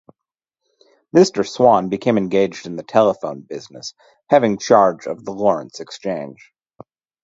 Mr. Swan became engaged in the telephone business, having charge of the Lawrence Exchange.